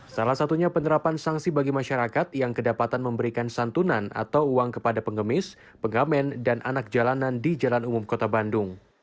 salah satunya penerapan sanksi bagi masyarakat yang kedapatan memberikan santunan atau uang kepada pengemis pengamen dan anak jalanan di jalan umum kota bandung